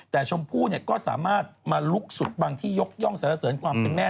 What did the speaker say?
แต่ชมพู่ก็สามารถมาลุกสุดบังที่ยกย่องสารเสริญความเป็นแม่